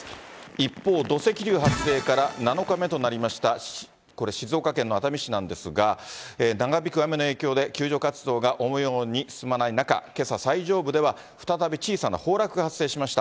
一方、土石流発生から７日目となりました、これ、静岡県の熱海市なんですが、長引く雨の影響で、救助活動が思うように進まない中、けさ、最上部では再び小さな崩落が発生しました。